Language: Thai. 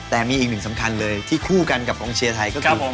แต่มีอีกหนึ่งสำคัญเลยที่คู่กันกับกองเชียร์ไทยก็คือ